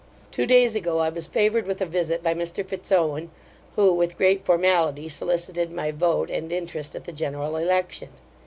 Two days ago, I was favoured with a visit by Mr Fitzowen; who, with great formality, solicited my vote and interest at the general election.